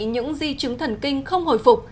những di chứng thần kinh không hồi phục